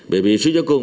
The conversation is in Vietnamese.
bởi vì suy nghĩa cùng